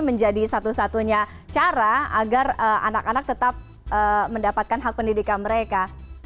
menjadi satu satunya cara agar anak anak tetap mendapatkan hak pendidikan mereka